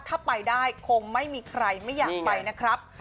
ถ้าไปได้คงไม่มีใครไม่อยากไปนะครับ